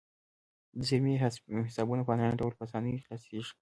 د زیرمې حسابونه په انلاین ډول په اسانۍ خلاصیږي.